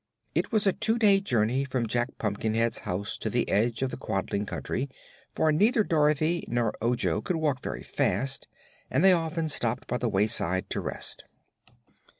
It was a two days journey from Jack Pumkinhead's house to the edge of the Quadling Country, for neither Dorothy nor Ojo could walk very fast and they often stopped by the wayside to rest.